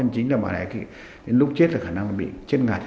chính là bà này lúc chết là khả năng bị chết ngạt